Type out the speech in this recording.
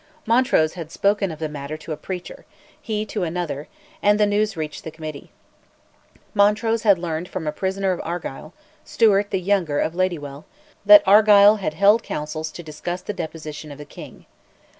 Montrose had spoken of the matter to a preacher, he to another, and the news reached the Committee. Montrose had learned from a prisoner of Argyll, Stewart the younger of Ladywell, that Argyll had held counsels to discuss the deposition of the king.